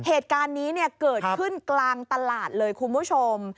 เหตุการณ์นี้เนี่ยเกิดขึ้นกลางตลาดเลยคุณผู้ชม